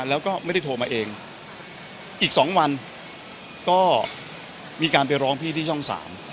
แล้วก็ไม่ได้โทรมาเองอีกสองวันก็มีการไปร้องพี่ที่ช่องสาม